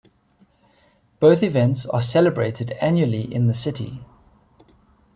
Both events are celebrated annually in the city.